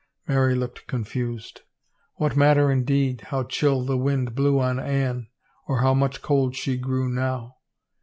Mary looked confused. What matter indeed, how chill the wind blew on Anne or how much cold she grew now